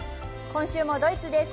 今週もドイツです。